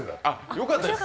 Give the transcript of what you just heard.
よかったです。